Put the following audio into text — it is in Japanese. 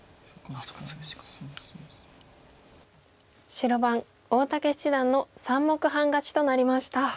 白番大竹七段の３目半勝ちとなりました。